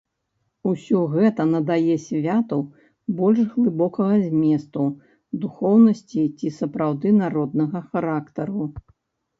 Усё гэта надае святу больш глыбокага зместу, духоўнасці і сапраўды народнага характару.